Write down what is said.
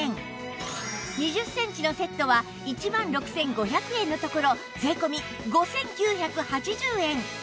２０センチのセットは１万６５００円のところ税込５９８０円